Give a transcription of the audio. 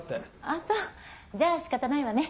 あっそうじゃあ仕方ないわね。